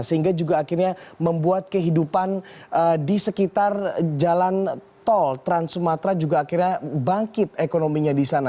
sehingga juga akhirnya membuat kehidupan di sekitar jalan tol trans sumatera juga akhirnya bangkit ekonominya di sana